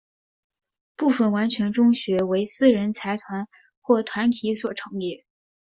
部分完全中学为私人财团或团体所成立。